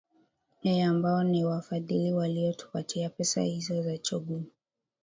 e ambao niwafadhili waliotupatia pesa hizo cha chogum